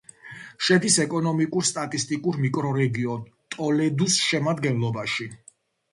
შედის ეკონომიკურ-სტატისტიკურ მიკრორეგიონ ტოლედუს შემადგენლობაში.